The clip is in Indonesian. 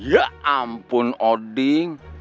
ya ampun odin